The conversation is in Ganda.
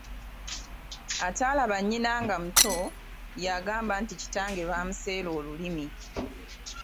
Ataalaba nnyina nga muto, yagamba nti kitange baamuseera olulimi.